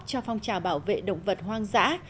cho phong trào bảo vệ động vật hoang dã